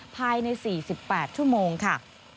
ภายใน๔๘ชั่วโมงค่ะ